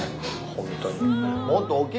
本当に。